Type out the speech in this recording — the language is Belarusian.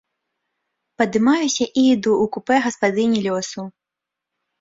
Падымаюся і іду ў купэ гаспадыні лёсу.